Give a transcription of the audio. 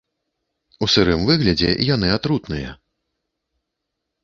У сырым выглядзе яны атрутныя.